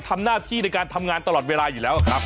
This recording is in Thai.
ทำหน้าที่ในการทำงานตลอดเวลาอยู่แล้วครับ